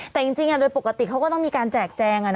แต่จริงโดยปกติเขาก็ต้องมีการแจกแจง